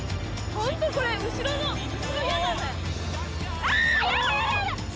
ホントこれ後ろの後ろやだね。